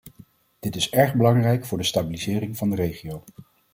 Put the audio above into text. Dit is erg belangrijk voor de stabilisering van de regio.